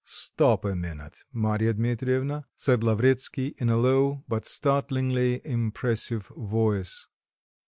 "Stop a minute, Marya Dmitrievna," said Lavretsky in a low but startlingly impressive voice.